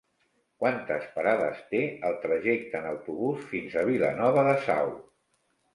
Quantes parades té el trajecte en autobús fins a Vilanova de Sau?